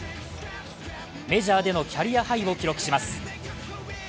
メジャーでのキャリアハイを記録します。